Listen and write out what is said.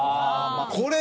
これ。